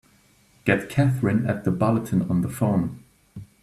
Get Katherine at the Bulletin on the phone!